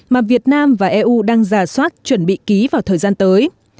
mà việt nam và eu đang giả soát chuẩn bị ký vào thời gian tới